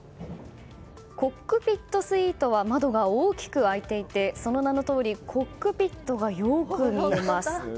コックピットスイートは窓が大きく開いていてその名のとおりコックピットがよく見えます。